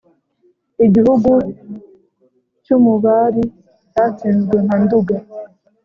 igihugu cy'u mubari cyatsinzwe nka nduga,